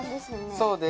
そうです。